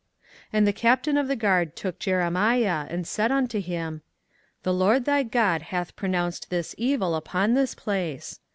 24:040:002 And the captain of the guard took Jeremiah, and said unto him, The LORD thy God hath pronounced this evil upon this place.